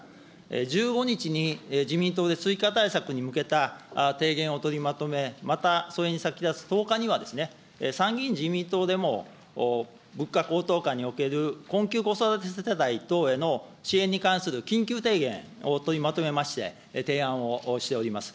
１５日に自民党で追加対策に向けた提言を取りまとめ、またそれに先立つ１０日には、参議院・自民党でも物価高騰下における困窮子育て世帯等への支援に関する緊急提言を取りまとめまして、提案をしております。